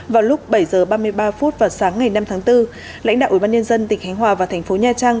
vào lúc bảy h ba mươi ba phút vào sáng ngày năm tháng bốn lãnh đạo ubnd tỉnh khánh hòa và thành phố nha trang